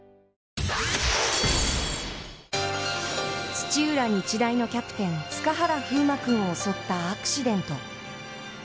土浦日大のキャプテン塚原歩生真君を襲ったアクシデント。